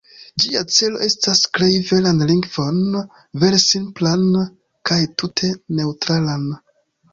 Ĝia celo estas krei veran lingvon, vere simplan kaj tute neŭtralan.